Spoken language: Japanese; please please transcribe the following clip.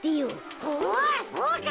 おそうか！